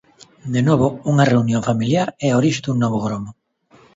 De novo unha reunión familiar é a orixe dun novo gromo.